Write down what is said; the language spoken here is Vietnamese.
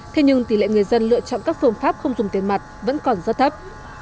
thế nhưng tỷ lệ người dân lựa chọn các phương pháp không dùng tiền mặt vẫn còn rất thấp